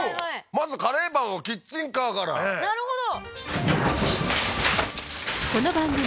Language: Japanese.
まずカレーパンをキッチンカーからなるほど！